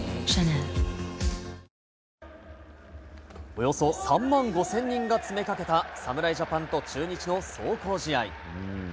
およそ３万５０００人が詰めかけた、侍ジャパンと中日の壮行試合。